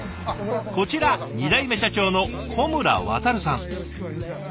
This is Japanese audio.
こちら２代目社長の小村亘さん。